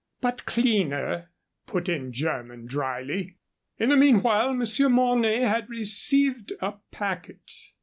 "But cleaner," put in Jermyn, dryly. In the meanwhile Monsieur Mornay had received a packet.